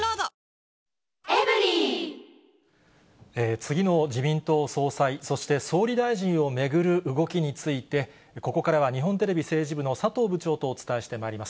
次の自民党総裁、そして総理大臣を巡る動きについて、ここからは日本テレビ政治部の佐藤部長とお伝えしてまいります。